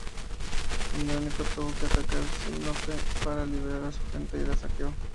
Andrónico tuvo que atacar Sinope para liberar a su gente y la saqueó.